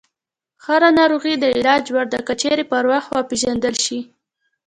هره ناروغي د علاج وړ ده، که چیرې پر وخت وپېژندل شي.